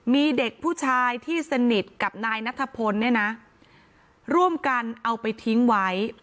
มีเด็กผู้ชายที่สนิทกับนายนัทพลเนี่ยนะร่วมกันเอาไปทิ้งไว้